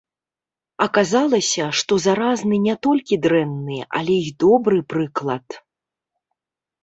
Аказалася, што заразны не толькі дрэнны, але і добры прыклад.